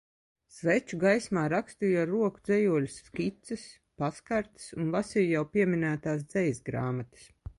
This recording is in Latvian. Sveču gaismā rakstīju ar roku dzejoļu skices, pastkartes un lasīju jau pieminētās dzejas grāmatas.